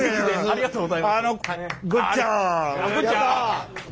ありがとうございます。